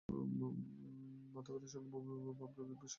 মাথাব্যথার সঙ্গে বমি এবং বমি বমি ভাব রোগীর দৃষ্টিবিভ্রম হতে পারে।